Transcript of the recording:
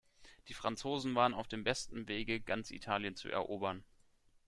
Die Franzosen waren auf dem besten Wege, ganz Italien zu erobern.